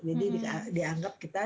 jadi dianggap kita